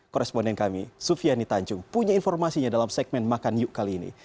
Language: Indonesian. koresponden kami sufiani tanjung punya informasinya dalam segmen makan yuk kali ini